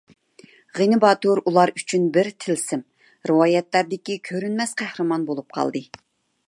غېنى باتۇر ئۇلار ئۈچۈن بىر تىلسىم، رىۋايەتلەردىكى كۆرۈنمەس قەھرىمان بولۇپ قالدى.